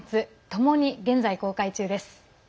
ともに現在公開中です。